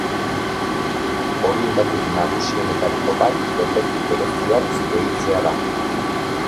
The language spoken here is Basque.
Horietatik nagusienetariko bat efektu bereziak gehitzea da.